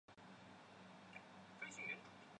野合在中国古代是指不合社会规范的婚姻。